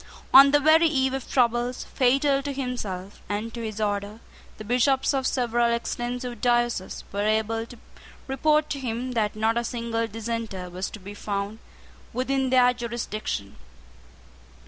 On the very eve of troubles, fatal to himself and to his order, the Bishops of several extensive dioceses were able to report to him that not a single dissenter was to be found within their jurisdiction.